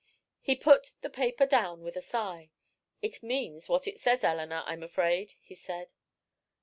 He put the paper down with a sigh. "It means what it says, Eleanor, I'm afraid," he said.